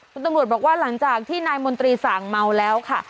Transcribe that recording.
คุณตำรวจบอกว่าหลังจากที่นายมนตรีสั่งเมาแล้วค่ะ